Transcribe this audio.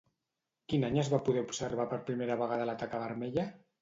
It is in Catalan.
Quin any es va poder observar per primera vegada la taca vermella?